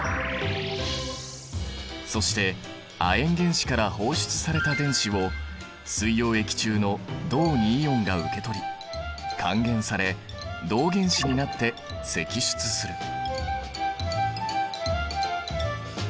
そして亜鉛原子から放出された電子を水溶液中の銅イオンが受け取り還元され銅原子になって析出する。